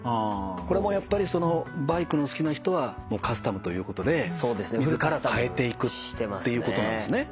これもやっぱりバイクの好きな人はカスタムということで自らかえていくっていうことなんですね。